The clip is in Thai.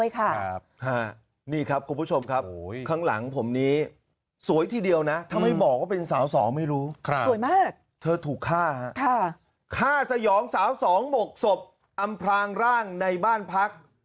คนข้างบ้านบอกเหม็นอะไรนะ